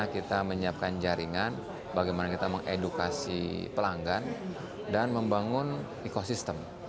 kita menyiapkan jaringan bagaimana kita mengedukasi pelanggan dan membangun ekosistem